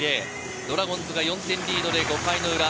ドラゴンズが４点リードです。